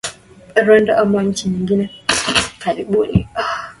rwanda ama nchi nyingine karibuni